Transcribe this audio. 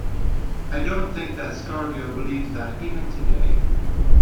I don't think that Scargill believes that even today.